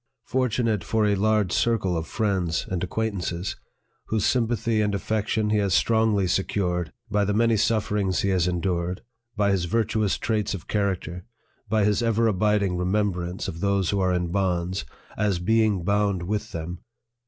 fortu nate for a large circle of friends and acquaintances, whose sympathy and affection he has strongly secured by the many sufferings he has endured, by his virtuous traits of character, by his ever abiding remembrance of those who are in bonds r as being bound with them